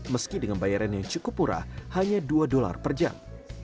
meski dengan bayaran yang cukup murah hanya dua dolar per jam